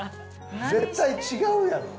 絶対違うやろ。